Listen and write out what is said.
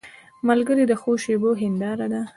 ملګری د ښو شېبو هنداره ده